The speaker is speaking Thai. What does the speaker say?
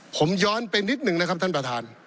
ผมย้อนไปนิดนึงนะครับท่านประธาน